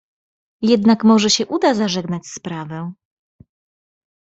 "Jednak może się uda zażegnać sprawę."